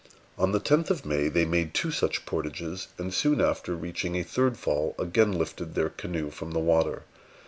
On the tenth of May, they made two such portages, and, soon after, reaching a third fall, again lifted their canoe from the water.